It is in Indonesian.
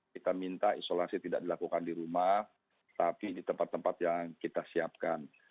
kita minta isolasi tidak dilakukan di rumah tapi di tempat tempat yang kita siapkan